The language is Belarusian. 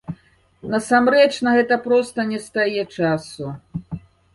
Насамрэч, на гэта проста нестае часу.